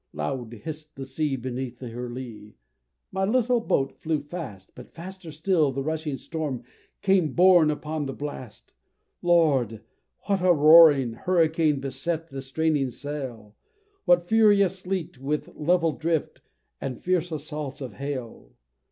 Loud hiss'd the sea beneath her lee my little boat flew fast, But faster still the rushing storm came borne upon the blast. Lord! what a roaring hurricane beset the straining sail! What furious sleet, with level drift, and fierce assaults of hail!